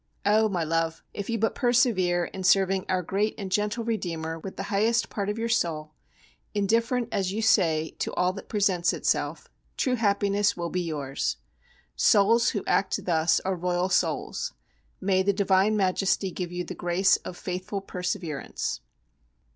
Oh! my love, if you but persevere in serving our great and gentle Redeemer with the highest part of your soul, indifferent as you say to all that presents itself, true happiness will be yours. Souls who act thus are royal souls. May the divine Majesty give you the grace of faithful perseverance.